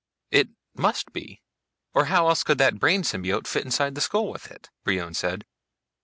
"It must be or how else could that brain symbiote fit in inside the skull with it?" Brion said.